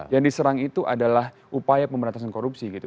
yang diserang itu adalah upaya pemberantasan korupsi gitu